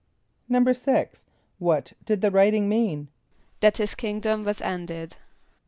= =6.= What did the writing mean? =That his kingdom was ended.